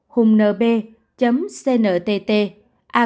hùngnb cntt a moh gov vn trước ngày năm sáu tháng năm năm hai nghìn hai mươi hai